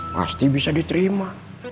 pasti bisa diterima